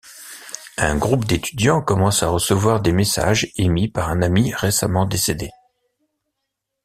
Un groupe d'étudiants commence à recevoir des messages émis par un ami récemment décédé.